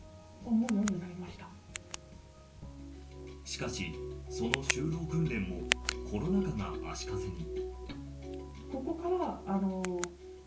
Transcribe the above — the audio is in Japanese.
しかし、その就労訓練もコロナ禍が足かせに。